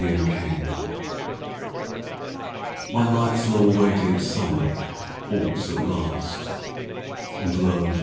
SEPTEMBER My life's long radiant Summer halts at last, And lo!